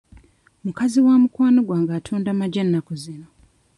Mukazi wa mukwano gwange atunda magi ennaku zino.